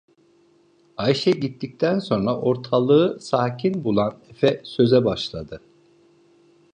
Ayşe gittikten sonra, ortalığı sakin bulan efe söze başladı.